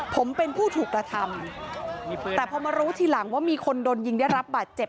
ผมเป็นผู้ถูกกระทำแต่พอมารู้ทีหลังว่ามีคนโดนยิงได้รับบาดเจ็บ